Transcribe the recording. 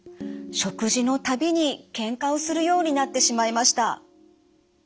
食事の度にけんかをするようになってしまいました。